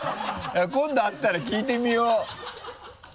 今度会ったら聞いてみよう。